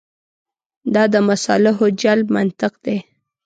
دا د مصالحو جلب منطق دی.